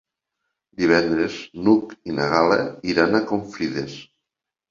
Divendres n'Hug i na Gal·la iran a Confrides.